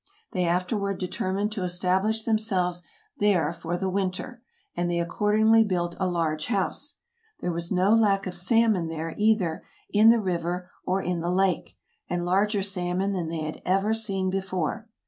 They afterward determined to establish themselves there for the winter, and they accordingly built a large house. There was no lack of salmon there either in the THE EARLY EXPLORERS 11 river or in the lake, and larger salmon than they had ever seen before.